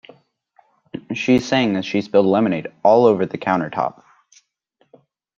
She sang as she spilled lemonade all over the countertop.